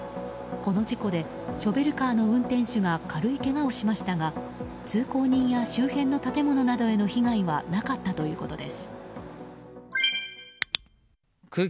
この事故でショベルカーの運転手が軽いけがをしましたが通行人や周辺の建物などへの被害はなかったということです。